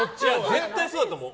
絶対そうだと思う。